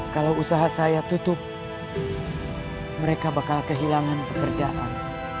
kalau usaha saya tutup mereka bakal kehilangan pekerjaan